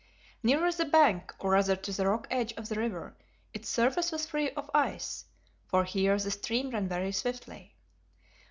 Nearer the bank, or rather to the rock edge of the river, its surface was free of ice, for here the stream ran very swiftly.